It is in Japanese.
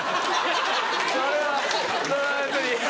それはそれは別に。